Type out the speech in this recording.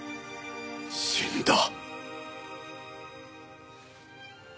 死んだ。